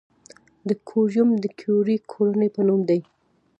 د کوریوم د کیوري کورنۍ په نوم دی.